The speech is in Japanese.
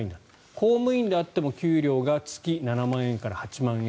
公務員であっても給料が月に７万円から８万円。